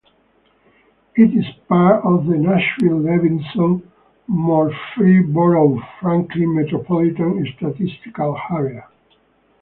It is part of the Nashville-Davidson-Murfreesboro-Franklin Metropolitan Statistical Area.